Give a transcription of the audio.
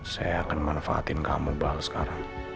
saya akan manfaatin kamu baru sekarang